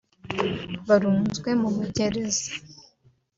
barunzwe mu magereza